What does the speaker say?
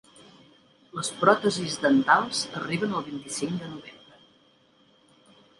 Les pròtesis dentals arriben el vint-i-cinc de novembre.